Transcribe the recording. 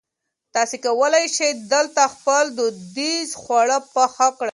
تاسي کولای شئ دلته خپل دودیز خواړه پخ کړي.